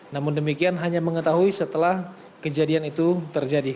namun demikian hanya mengetahui setelah kejadian itu terjadi